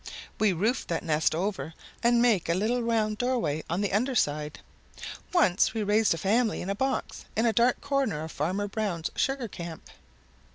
We roofed that nest over and make a little round doorway on the under side. Once we raised a family in a box in a dark corner of Farmer Brown's sugar camp.